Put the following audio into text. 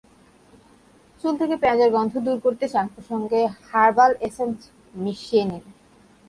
চুল থেকে পেঁয়াজের গন্ধ দূর করতে শ্যাম্পুর সঙ্গে হারবাল এসেন্স মিশিয়ে নিন।